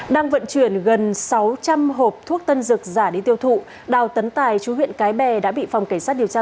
đang vận chuyển gần sáu trăm linh hộp thuốc tân dược giả đi tiêu thụ đào tấn tài chú huyện cái bè đã bị phòng cảnh sát điều tra